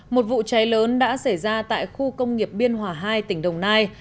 một vụ cháy lớn đã xảy ra tại khu công nghiệp biên hòa hai tỉnh đồng nai